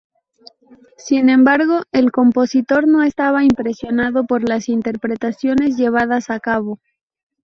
Sin embargo, el compositor no estaba impresionado por las interpretaciones llevadas a cabo.